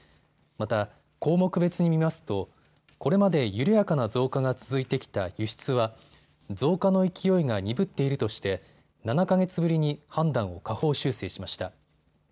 また、項目別に見ますとこれまで緩やかな増加が続いてきた輸出は増加の勢いが鈍っているとして７か月ぶりに判断を下方修正しました。